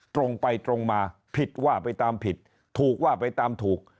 ตรงไปตรงมาผิดว่าไปตามผิดถูกว่าไปตามถูก